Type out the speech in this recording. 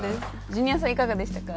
ジュニアさんいかがでしたか？